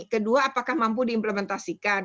kedua apakah mampu diimplementasikan